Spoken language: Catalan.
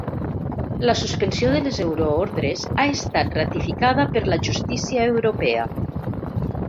La suspensió de les euroordres ha estat ratificada per la justícia europea.